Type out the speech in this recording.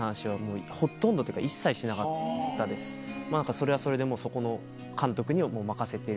それはそれでそこの監督に任せてるっていう。